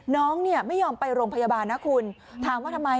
น้องเนี่ยไม่ยอมไปโรงพยาบาลนะคุณถามว่าทำไม